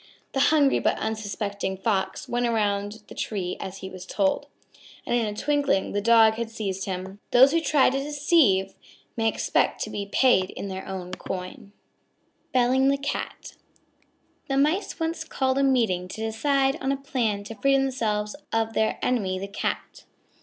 The hungry but unsuspecting Fox, went around the tree as he was told, and in a twinkling the Dog had seized him. Those who try to deceive may expect to be paid in their own coin. BELLING THE CAT The Mice once called a meeting to decide on a plan to free themselves of their enemy, the Cat.